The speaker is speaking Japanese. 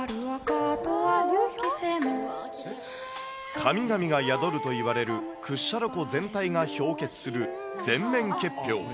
神々が宿るといわれる屈斜路湖全体が氷結する全面結氷。